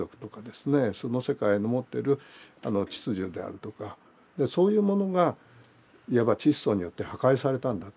その世界の持ってる秩序であるとかそういうものがいわばチッソによって破壊されたんだと。